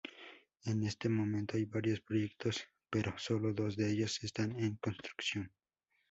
En este momento hay varios proyectos, pero solo dos de ellos están en construcción.